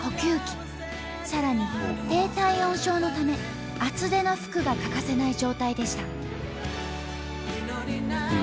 さらに低体温症のため厚手の服が欠かせない状態でした。